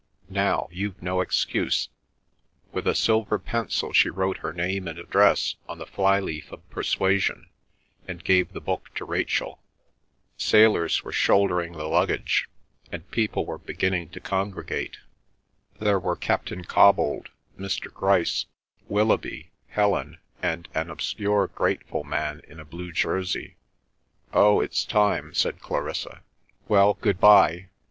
"Now—you've no excuse!" With a silver pencil she wrote her name and address on the flyleaf of Persuasion, and gave the book to Rachel. Sailors were shouldering the luggage, and people were beginning to congregate. There were Captain Cobbold, Mr. Grice, Willoughby, Helen, and an obscure grateful man in a blue jersey. "Oh, it's time," said Clarissa. "Well, good bye.